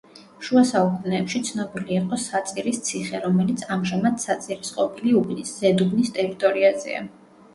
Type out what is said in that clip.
შუა საუკუნეებში ცნობილი იყო საწირის ციხე, რომელიც ამჟამად საწირის ყოფილი უბნის, ზედუბნის, ტერიტორიაზეა.